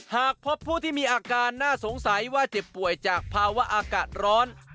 หากพบผู้ที่มีอาการน่าสงสัยว่าเจ็บป่วยจากภาวะอากาศร้อน